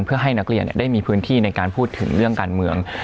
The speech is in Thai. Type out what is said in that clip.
เพื่อให้นักเรียนได้มีพื้นที่ในการพูดถึงเรื่องการเมือง